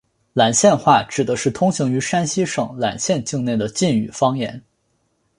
岚县话指的是通行于山西省岚县境内的晋语方言。